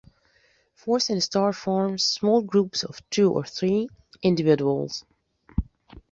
Fourth instar forms small groups of two or three individuals.